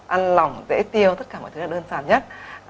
ăn lỏng tễ tiêu tất cả mọi thứ là đơn giản nhất